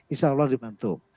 insya allah dibantu